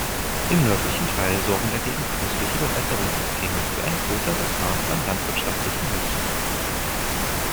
Im nördlichen Teil sorgen dagegen künstliche Bewässerungssysteme für ein größeres Maß an landwirtschaftlicher Nutzung.